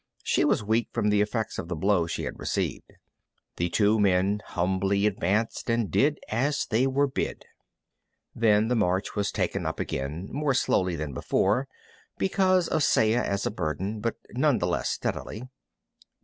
She was weak from the effects of the blow she had received. The two men humbly advanced and did as they were bid. Then the march was taken up again, more slowly than before, because of Saya as a burden, but none the less steadily.